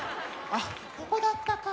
「あっここだったか」